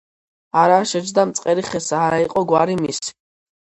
არა შეჯდა მწყერი ხესა, არა იყო გვარი მის